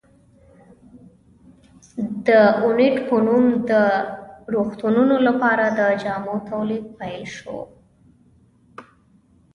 د اوینټ په نوم د روغتونونو لپاره د جامو تولید پیل شو.